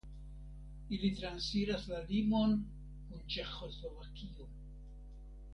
Ili transiras la limon kun Ĉeĥoslovakio.